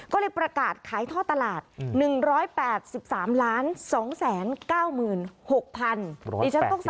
ก็เลยประกาศขายท่อตลาด๑๘๓๒๙๖๐๐๐บาท